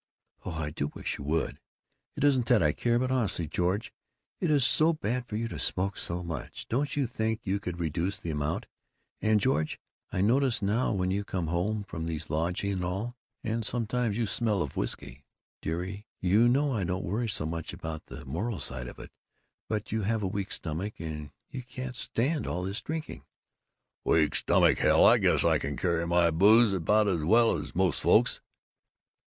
"Oh, I do wish you would! It isn't that I care, but honestly, George, it is so bad for you to smoke so much. Don't you think you could reduce the amount? And George I notice now, when you come home from these lodges and all, that sometimes you smell of whisky. Dearie, you know I don't worry so much about the moral side of it, but you have a weak stomach and you can't stand all this drinking." "Weak stomach, hell! I guess I can carry my booze about as well as most folks!"